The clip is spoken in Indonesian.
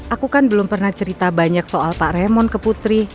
aku kan belum pernah cerita banyak soal pak remon ke putri